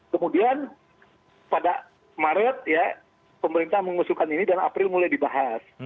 kemudian pada maret ya pemerintah mengusulkan ini dan april mulai dibahas